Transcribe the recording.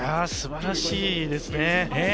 素晴らしいですね。